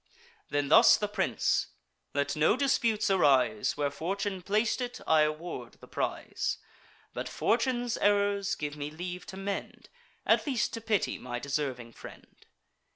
Then thus the prince: "Let no disputes arise: Where fortune plac'd it, I award the prize. But fortune's errors give me leave to mend, At least to pity my deserving friend."